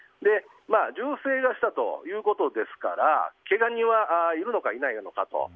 銃声がしたということですからけが人はいるのかいないのかと。